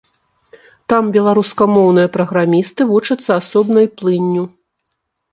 Там беларускамоўныя праграмісты вучацца асобнай плынню.